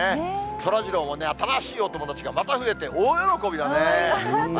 そらジローも新しいお友達がまた増えて、大喜びだね。